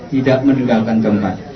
tidak meninggalkan tempat